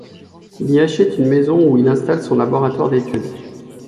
Il y achète une maison où il installe son laboratoire d’étude.